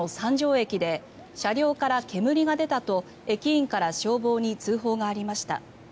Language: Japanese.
駅で車両から煙が出たと駅員から消防に通報がありました。